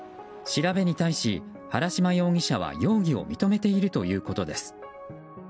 調べに対し原島容疑者は容疑を認めているということです。